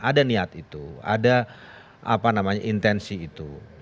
ada niat itu ada apa namanya intensi itu